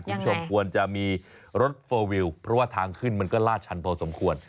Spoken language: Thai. คุณผู้ชมควรจะมีรถเฟอร์วิลเพราะว่าทางขึ้นมันก็ลาดชันพอสมควร